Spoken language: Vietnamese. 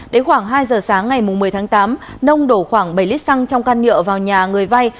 đến khoảng hai giờ sáng ngày một mươi tháng tám nông đổ khoảng bảy lít xăng trong can nhựa vào nhà người vay